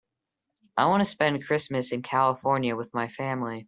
I want to spend Christmas in California with my family.